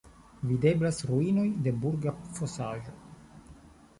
Videblas ruinoj de burga fosaĵo.